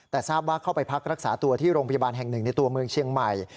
แต่ทราบว่าเข้าไปพักรักษาตัวที่โรงพยาบาลแห่งหนึ่งในตัวเมืองเชียงใหม่